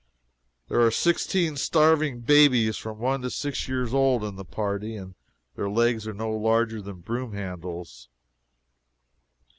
There are sixteen starving babies from one to six years old in the party, and their legs are no larger than broom handles.